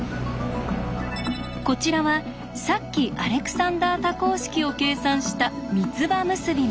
こちらはさっきアレクサンダー多項式を計算した三つ葉結び目。